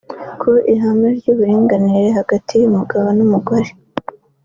ku ihame ry’uburinganire hagati y’umugabo n’umugore